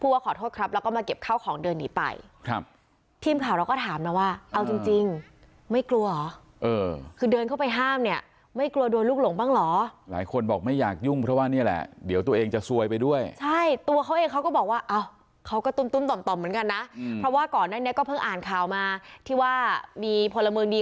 ว่าขอโทษครับแล้วก็มาเก็บข้าวของเดินหนีไปครับทีมข่าวเราก็ถามนะว่าเอาจริงจริงไม่กลัวเหรอเออคือเดินเข้าไปห้ามเนี่ยไม่กลัวโดนลูกหลงบ้างเหรอหลายคนบอกไม่อยากยุ่งเพราะว่านี่แหละเดี๋ยวตัวเองจะซวยไปด้วยใช่ตัวเขาเองเขาก็บอกว่าอ้าวเขาก็ตุ้มตุ้มต่อมต่อมเหมือนกันนะเพราะว่าก่อนหน้านี้ก็เพิ่งอ่านข่าวมาที่ว่ามีพลเมืองดี